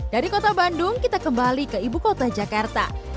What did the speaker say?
dari kota bandung kita kembali ke ibu kota jakarta